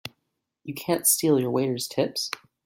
You can't steal your waiters' tips!